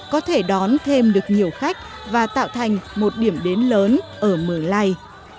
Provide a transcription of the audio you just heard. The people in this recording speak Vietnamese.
có thể đón thêm được nhiều khách và tạo thành một điểm đến lớn ở mường lây